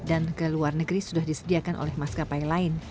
dan ke luar negeri sudah disediakan oleh maskapai lain